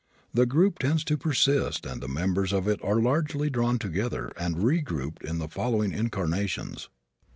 The group tends to persist and the members of it are largely drawn together and regrouped in the following incarnations.